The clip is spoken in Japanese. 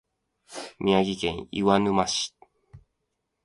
宮城県岩沼市